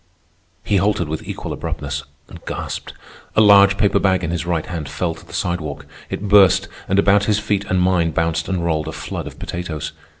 He halted with equal abruptness, and gasped. A large paper bag in his right hand fell to the sidewalk. It burst, and about his feet and mine bounced and rolled a flood of potatoes.